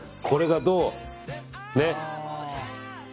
これが、どう。